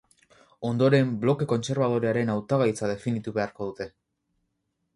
Ondoren bloke kontserbadorearen hautagaitza definitu beharko dute.